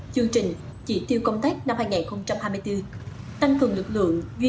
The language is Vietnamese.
chương trình chỉ tiêu công tác năm hai nghìn hai mươi bốn tăng cường lực lượng